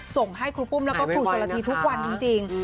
ส่งให้ครูปุ้มแล้วก็ครูชนละทีทุกวันจริง